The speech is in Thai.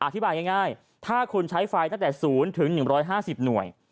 อธิบายง่ายถ้าคุณใช้ไฟตั้งแต่๐๑๕๐หน่วย